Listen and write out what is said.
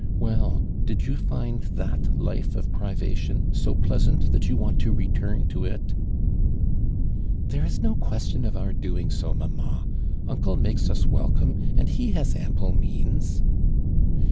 Well, ilid you find that life of privatiotx so pleasant that you want to return to it?" "There h no ijuestion of our doing t^n, iiianuna. I'nclo makes us welcome imd ho has am])Io means."